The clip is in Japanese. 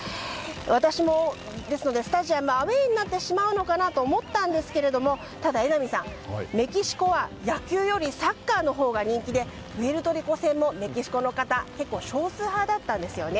私も、スタジアムアウェーになってしまうのかと思ったんですけれどもただ、榎並さんメキシコは野球よりサッカーのほうが人気でプエルトリコ戦もメキシコの方結構、少数派だったんですよね。